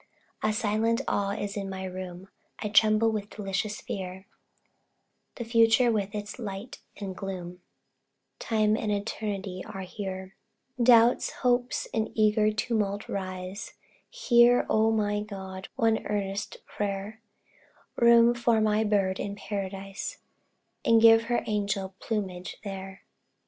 A silent awe is in my room I tremble with delicious fear; The future with its light and gloom, Time and Eternity are here. Doubts hopes, in eager tumult rise; Hear, O my God! one earnest prayer: Room for my bird in Paradise, And give her angel plumage there!